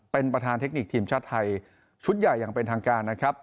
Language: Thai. เป็นประธานเทคนิคทีมชาติไทยชุดใหญ่อย่างเป็นทางการนะครับ